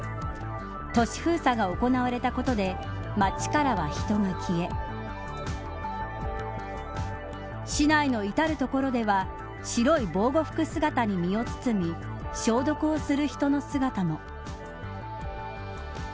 都市封鎖が行われたことで街からは人が消え市内の至る所では白い防護服姿に身を包み消毒をする人の姿も。